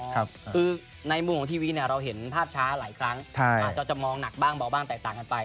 คือในมุมของทีวีเนี่ยเราเห็นภาพช้าหลายครั้งอาจจะมองหนักบ้างเบาบ้างแตกต่างกันไป